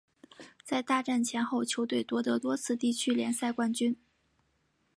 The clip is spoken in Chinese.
在大战前后球队夺得多次地区联赛冠军。